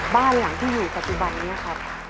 บ้านหลังที่อยู่ปัจจุบันนี้ครับ